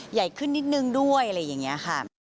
ใหญ่ขึ้นนิดนึงด้วยอะไรอย่างนี้ค่ะ